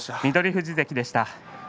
富士関でした。